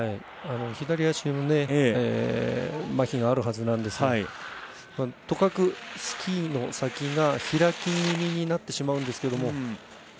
左足にまひがあるはずなんですがとかく、スキーの先が開き気味になってしまうんですけど。